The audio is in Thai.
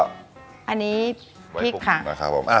อันนี้พริกค่ะ